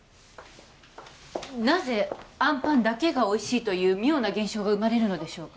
なぜ「あんぱんだけがおいしい」という妙な現象が生まれるのでしょうか？